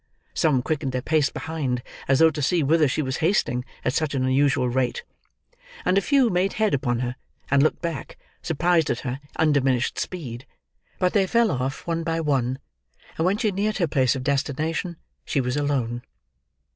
Some quickened their pace behind, as though to see whither she was hastening at such an unusual rate; and a few made head upon her, and looked back, surprised at her undiminished speed; but they fell off one by one; and when she neared her place of destination, she was alone.